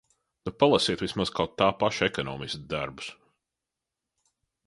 Nu palasiet vismaz kaut tā paša ekonomista darbus.